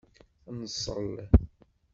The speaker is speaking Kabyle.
Nṣel.